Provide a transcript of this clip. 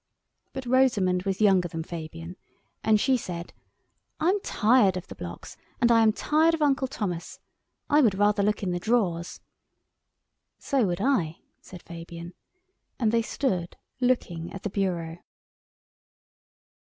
But Rosamund was younger than Fabian, and she said, "I am tired of the blocks, and I am tired of Uncle Thomas. I would rather look in the drawers." "So would I," said Fabian. And they stood looking at the bureau.